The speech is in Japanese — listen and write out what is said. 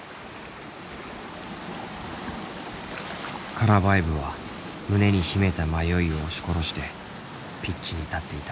カラヴァエヴは胸に秘めた迷いを押し殺してピッチに立っていた。